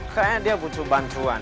kayaknya dia butuh bantuan